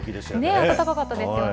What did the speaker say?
暖かかったですよね。